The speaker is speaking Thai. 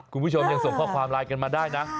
คุณผู้ชมยังส่งข้อความไลน์กันมาได้นะ